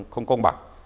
không công bằng